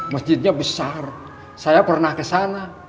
masjidnya besar saya pernah kesana